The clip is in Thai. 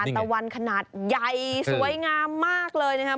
ตะวันขนาดใหญ่สวยงามมากเลยนะครับ